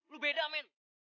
lo beda men